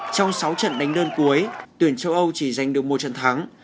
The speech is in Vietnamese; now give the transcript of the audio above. trong sáu trận đánh đơn cuối tuyển châu âu chỉ giành được một trận thắng